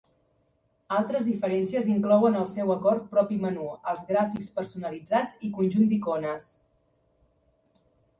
Altres diferències inclouen el seu acord propi menú, els gràfics personalitzats, i conjunts d'icones.